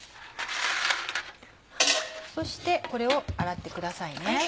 そしてこれを洗ってください。